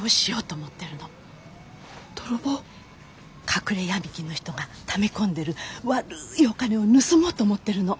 隠れ闇金の人がため込んでる悪いお金を盗もうと思ってるの。